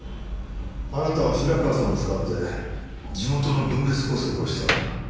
あなたは白川さんを使って地元の分裂工作をした。